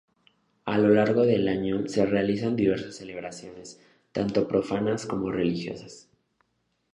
A lo largo del año se realizan diversas celebraciones, tanto profanas como religiosas.